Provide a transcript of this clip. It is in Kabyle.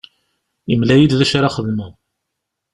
Yemla-iyi-d d acu ara xedmeɣ.